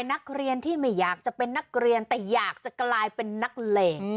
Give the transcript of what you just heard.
นักเรียนที่ไม่อยากจะเป็นนักเรียนแต่อยากจะกลายเป็นนักเลง